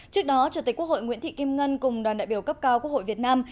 trước đó chủ tịch quốc hội nguyễn thị kim ngân cùng đoàn đại biểu cấp cao quốc hội việt nam